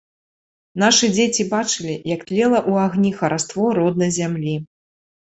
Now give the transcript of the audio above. Нашы дзеці бачылі, як тлела ў агні хараство роднай зямлі.